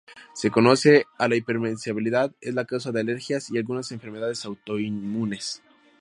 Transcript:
Se conoce que la hipersensibilidad es la causa de alergias y algunas enfermedades autoinmunes.